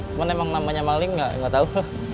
cuma memang namanya maling enggak enggak tahu